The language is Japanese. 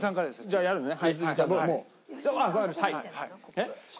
じゃあやるのね。